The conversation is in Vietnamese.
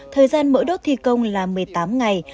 thời gian mỗi đốt thi công là một mươi tám ngày